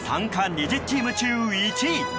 ２０チーム中１位。